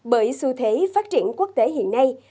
bởi xu thế phát triển quốc tế hiện nay